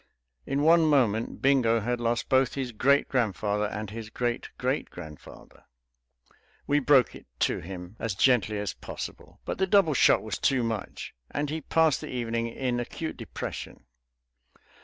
In one moment Bingo had lost both his great grandfather and his great great grandfather! We broke it to him as gently as possible, but the double shock was too much, and he passed the evening in acute depression.